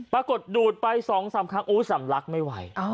ดูดไป๒๓ครั้งสำลักไม่ไหว